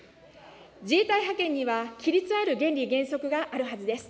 自衛隊派遣には、規律ある原理原則があるはずです。